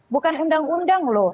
bukan undang undang loh